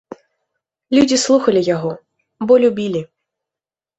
Людзі слухалі яго, бо любілі.